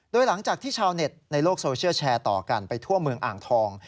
โดยหลังจากที่ชาวเน็ตในโลกโซเชียลแชร์ต่อกันไปทั่วเมืองอ่างทอง